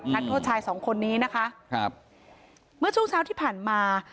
นักโทษชายสองคนนี้นะคะครับเมื่อช่วงเช้าที่ผ่านมา